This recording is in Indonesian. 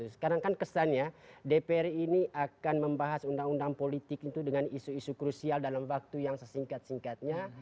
sekarang kan kesannya dpr ini akan membahas undang undang politik itu dengan isu isu krusial dalam waktu yang sesingkat singkatnya